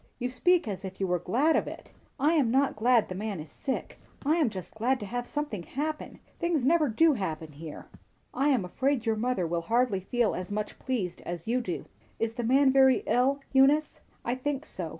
"You speak as if you were glad of it." "I am not glad the man is sick. I am just glad to have something happen. Things never do happen here." "I am afraid your mother will hardly feel as much pleased as you do. Is the man very ill, Eunice?" "I think so.